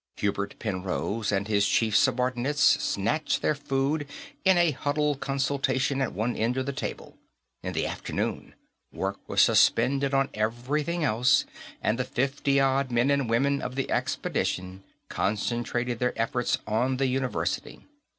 Hubert Penrose and his chief subordinates snatched their food in a huddled consultation at one end of the table; in the afternoon, work was suspended on everything else and the fifty odd men and women of the expedition concentrated their efforts on the University.